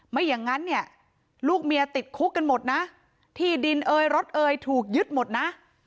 ไม่อย่างนั้นเนี่ยลูกเมียติดคุกกันหมดนะที่ดินเอยรถเอยถูกยึดหมดนะ